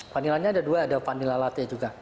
vanilanya ada dua ada vanila latya juga